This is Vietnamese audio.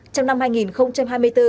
trong năm hai nghìn hai mươi bốn